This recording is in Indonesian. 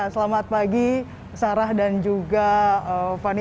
selamat pagi sarah dan juga fani